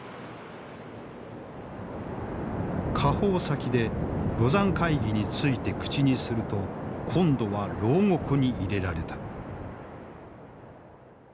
下放先で廬山会議について口にすると今度は牢獄に入れられた。